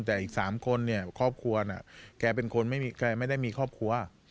แต่อีก๓คนเนี่ยครอบครัวน่ะแกเป็นคนแกไม่ได้มีครอบครัว